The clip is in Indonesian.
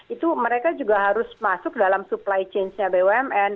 itu mereka juga harus masuk dalam supply chainnya bumn